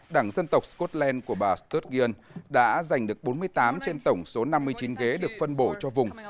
đảng dân tộc scotland của bà studyun đã giành được bốn mươi tám trên tổng số năm mươi chín ghế được phân bổ cho vùng